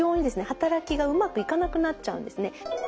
働きがうまくいかなくなっちゃうんですね。